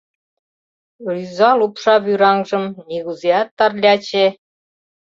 Рӱза, лупша вӱраҥжым Нигузеат Тарляче